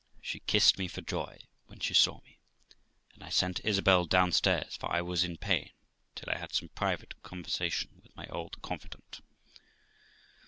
She kissed me for joy when she saw me, and I sent Isabel downstairs, for I was in pain till I had some private conversation with my old confidante.